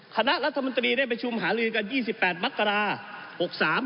คณะรัฐมนตรีได้ไปชุมหลีกันยี่สิบแปดมัตตราหกสาม